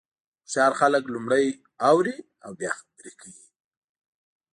هوښیار خلک لومړی اوري او بیا خبرې کوي.